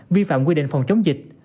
vi phạm quy định phòng chống dịch